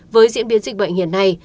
với diễn biến dịch bệnh hiện nay